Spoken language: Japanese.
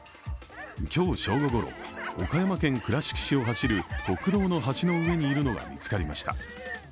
今日正午ごろ、岡山県倉敷市を走る国道の橋の上にいるのが見つかりました。